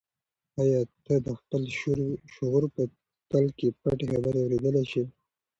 آیا ته د خپل شعور په تل کې پټې خبرې اورېدلی شې؟